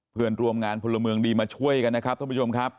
เพื่อนร่วมงานพลเมืองดีมาช่วยกันนะครับท่านผู้ชมครับ